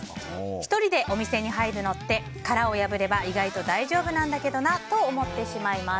１人でお店に入るのって殻を破れば意外と大丈夫なんだけどなと思ってしまいます。